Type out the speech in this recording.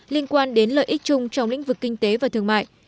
liên quan đến lợi ích chung trong lĩnh vực kinh tế và thương mại